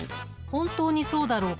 本当にそうだろうか？